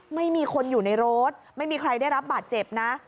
ไม่มีคนอยู่ในรถไม่มีใครได้รับบาดเจ็บนะ